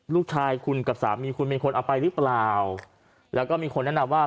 ลูกชายคุณกับสามีคุณเป็นคนเอาไปหรือเปล่าแล้วก็มีคนแนะนำว่า